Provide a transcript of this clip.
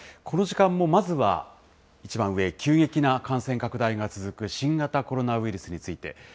この時間もまずは一番上、急激な感染拡大が続く新型コロナウイルスについて。